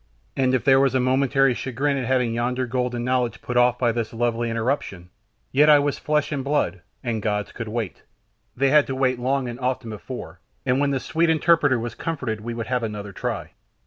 And if there was a momentary chagrin at having yonder golden knowledge put off by this lovely interruption, yet I was flesh and blood, the gods could wait they had to wait long and often before, and when this sweet interpreter was comforted we would have another try.